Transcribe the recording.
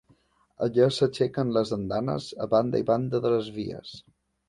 Allà s'aixequen les andanes a banda i banda de les vies.